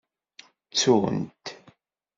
Ttun-t.